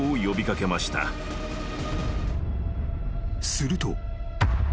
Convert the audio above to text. ［すると］